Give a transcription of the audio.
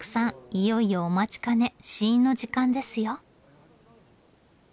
いよいよお待ちかね試飲の時間ですよ。